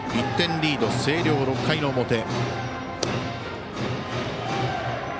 １点リードの星稜、６回の表。